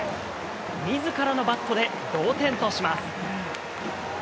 みずからのバットで同点とします。